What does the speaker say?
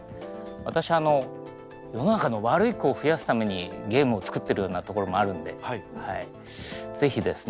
私世の中の悪い子を増やすためにゲームを作ってるようなところもあるんで是非ですね